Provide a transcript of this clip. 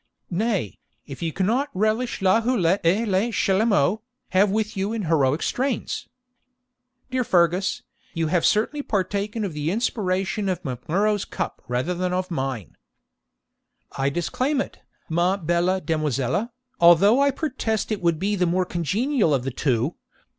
'Nay, if you cannot relish la houlette et le chalumeau, have with you in heroic strains.' 'Dear Fergus, you have certainly partaken of the inspiration of Mac Murrough's cup rather than of mine.' 'I disclaim it, ma belle demoiselle, although I protest it would be the more congenial of the two.